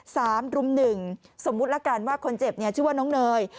สามรุมหนึ่งสมมุติละกันว่าคนเจ็บเนี่ยชื่อว่าน้องเนย